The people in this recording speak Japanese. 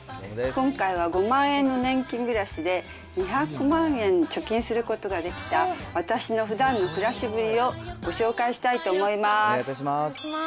今回は５万円の年金暮らしで、２００万円貯金することができた、私のふだんの暮らしぶりをご紹介したいと思います。